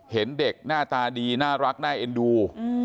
เห็นเด็กหน้าตาดีน่ารักน่าเอ็นดู